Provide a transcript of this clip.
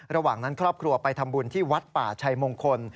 ระหว่างนั้นครอบครัวไปทำบุญที่วัดป่าชัยมงคล